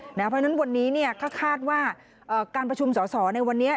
เพราะฉะนั้นวันนี้ก็คาดว่าการประชุมสอสอในวันนี้